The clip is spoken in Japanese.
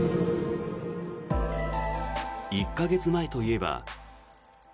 １か月前といえば。